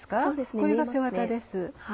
これが背ワタです。